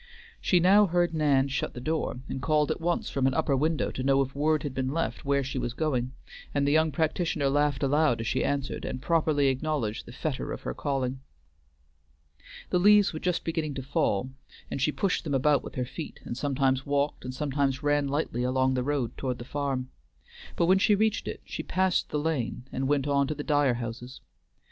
She now heard Nan shut the door, and called at once from an upper window to know if word had been left where she was going, and the young practitioner laughed aloud as she answered, and properly acknowledged the fetter of her calling. The leaves were just beginning to fall, and she pushed them about with her feet, and sometimes walked and sometimes ran lightly along the road toward the farm. But when she reached it, she passed the lane and went on to the Dyer houses.